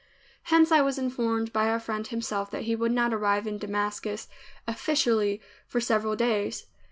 Hence I was informed by our friend himself that he would not arrive in Damascus "officially" for several days.